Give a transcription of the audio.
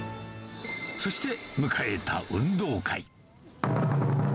そして迎えた運動会。